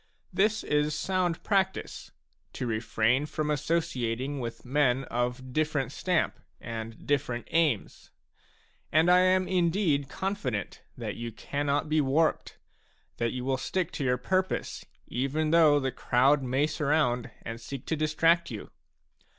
This is sound practice, — to refrain from associating with men of different stamp and different aims. And I am indeed confident that you cannot be warped, that you will stick to your purpose, even though the crowd may surround and seek to distract you.